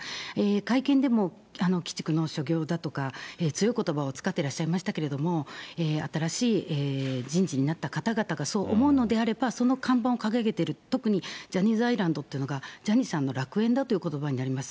会見でも、鬼畜の所業だとか、強いことばを使ってらっしゃいましたけれども、新しい人事になった方々がそう思うのであれば、その看板を掲げてる、特にジャニーズアイランドっていうのが、ジャニーさんの楽園だということばになります。